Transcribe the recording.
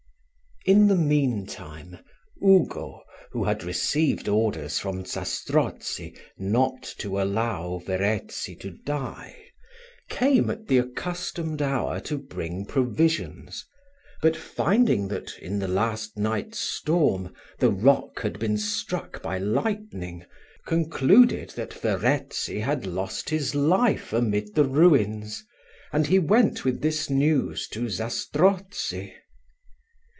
In the mean time Ugo, who had received orders from Zastrozzi not to allow Verezzi to die, came at the accustomed hour to bring provisions, but finding that, in the last night's storm, the rock had been struck by lightning, concluded that Verezzi had lost his life amid the ruins, and he went with this news to Zastrozzi.